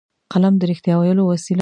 قلم د رښتیا ویلو وسیله ده